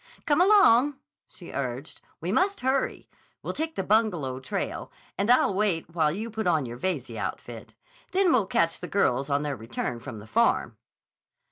"Come along!" she urged. "We must hurry. We'll take the Bungalow trail, and I'll wait while you put on your Veyze outfit. Then we'll catch the girls on their return from the Farm."